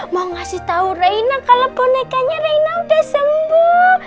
mau ngasih tau reina kalo bonekanya reina udah sembuh